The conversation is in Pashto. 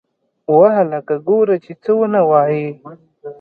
وه هلکه گوره چې څه ونه وايې.